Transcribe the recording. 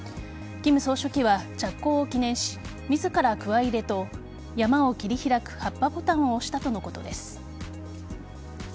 金総書記は着工を記念し自ら、くわ入れと山を切り開く発破ボタンを押したとのことです。